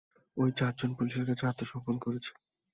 ওই চার জন পুলিশের কাছে আত্মসমর্পণ করেছে।